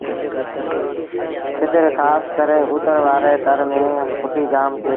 سنڌ ري کآس ڪري اُتر وآري تر ميݩ ڦُٽيٚ جآم ٿئي دي